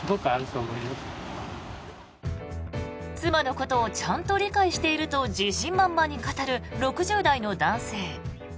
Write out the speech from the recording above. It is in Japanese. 妻のことをちゃんと理解していると自信満々に語る６０代の男性。